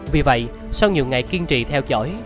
vì vậy sau nhiều ngày kiên trì theo dõi